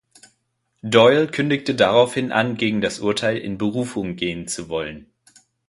Doyle kündigte daraufhin an, gegen das Urteil in Berufung gehen zu wollen.